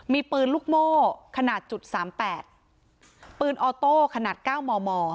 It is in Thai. มีปืนลูกโม้ขนาด๓๘ปืนออโต้ขนาด๙ม